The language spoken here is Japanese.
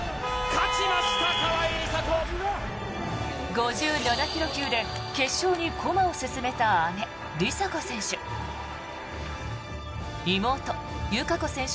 ５７ｋｇ級で決勝に駒を進めた姉・梨紗子選手。